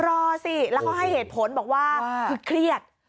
รอสิแล้วเขาให้เหตุผลบอกว่าคือเครียด